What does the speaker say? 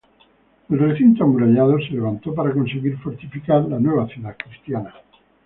El recinto amurallado se levantó para conseguir fortificar la nueva ciudad cristiana.